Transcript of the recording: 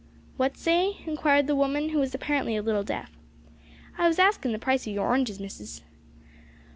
"What say?" inquired the woman, who was apparently a little deaf. "I was askin' the price o' your oranges, missus."